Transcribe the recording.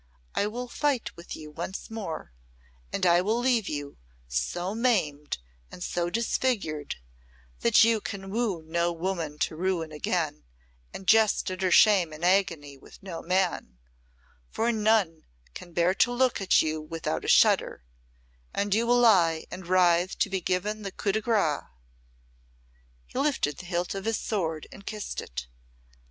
I will fight with you once more, and I will leave you so maimed and so disfigured that you can woo no woman to ruin again and jest at her shame and agony with no man for none can bear to look at you without a shudder and you will lie and writhe to be given the coup de grace." He lifted the hilt of his sword and kissed it.